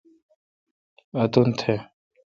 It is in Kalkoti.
اتون تھ۔